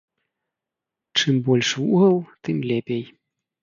Чым больш вугал, тым лепей.